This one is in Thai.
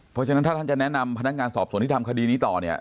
เพราะฉะนั้นถ้าท่านจะแนะนำพนักงานสอบส่วนที่ทำคดีนี้ต่อเนี่ย